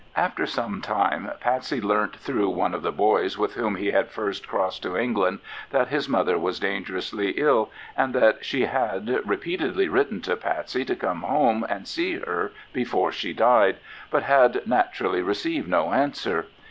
After some time Patsey learnt through one of the boys with whom he had first crossed to England that his mother was dangerously ill, and that she had repeatedly written to Patsey to come home and see her before she died, but had naturally received no answer.